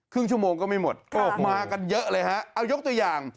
ชั่วโมงก็ไม่หมดมากันเยอะเลยฮะเอายกตัวอย่าง